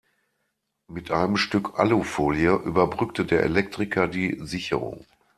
Mit einem Stück Alufolie überbrückte der Elektriker die Sicherung.